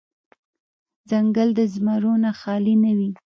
ـ ځنګل د زمرو نه خالې نه وي.